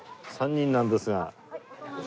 ３人なんですが。